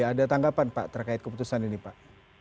ada tanggapan pak terkait keputusan ini pak